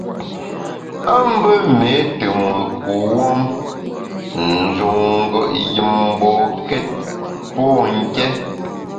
A mbe méé te mùt kuwuom, n’ njun ngùet yùm mbokét pô nké.